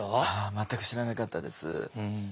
全く知らなかったです。